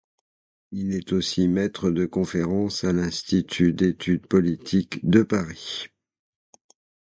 Il est aussi maître de conférences à l'Institut d'études politiques de Paris.